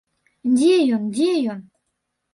Дзе ён, дзе ён?